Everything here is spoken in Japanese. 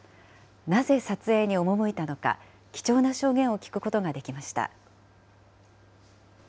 なぜ撮影に赴いたのか、貴重な証言を聞くことができました。